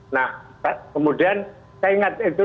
nah kemudian saya ingat itu